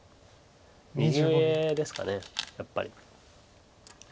右上ですかやっぱり。